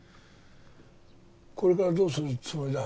これからどうするつもりだ？